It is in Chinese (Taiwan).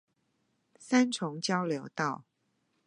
三重交流道